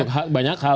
untuk banyak hal